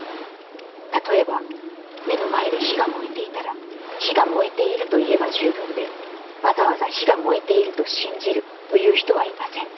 例えば、目の前で火が燃えていたら、『火が燃えている』と言えば十分で、わざわざ『火が燃えていると信じる』と言う人はいません。